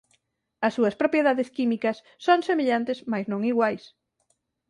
As súas propiedades químicas son semellantes mais non iguais.